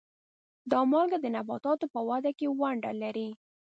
دا مالګه د نباتاتو په وده کې ونډه لري.